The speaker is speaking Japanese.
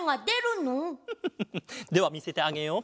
フフフフではみせてあげよう。